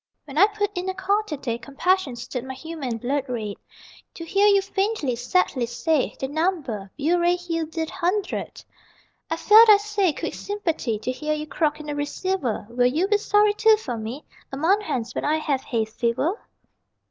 When I put in a call to day Compassion stirred my humane blood red To hear you faintly, sadly, say The number: Burray Hill dide hudred! I felt (I say) quick sympathy To hear you croak in the receiver Will you be sorry too for me A month hence, when I have hay fever?